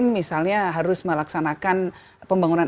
misalnya harus melaksanakan pembangunan